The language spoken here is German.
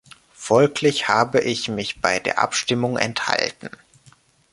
Folglich habe ich mich bei der Abstimmung enthalten.